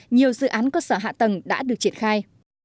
nhiều dự án cơ sở hạ tầng đã được triển khai